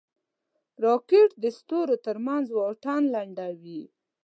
راکټ د ستورو ترمنځ واټن لنډوي